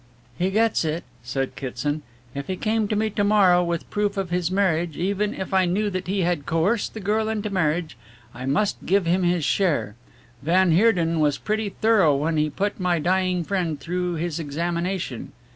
"He gets it," said Kitson. "If he came to me to morrow with proof of his marriage, even if I knew that he had coerced the girl into marriage, I must give him his share van Heerden was pretty thorough when he put my dying friend through his examination."